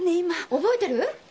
覚えてる？